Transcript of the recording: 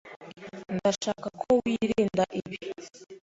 Ndashaka ko wirinda ibi.